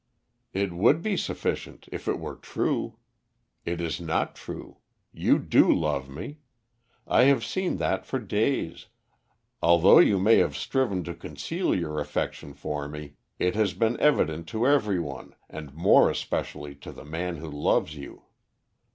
"It would be sufficient if it were true. It is not true. You do love me. I have seen that for days; although you may have striven to conceal your affection for me, it has been evident to every one, and more especially to the man who loves you.